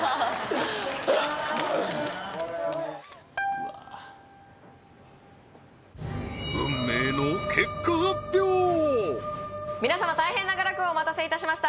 うわー運命の皆様大変長らくお待たせいたしました